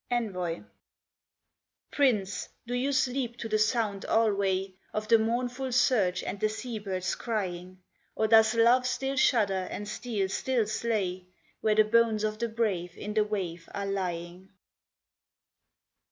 ENVOY Prince, do you sleep to the sound alway Of the mournful surge and the sea birds' crying? Or does love still shudder and steel still slay, Where the bones of the brave in the wave are lying?